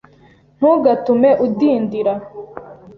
Ntugatume udindira.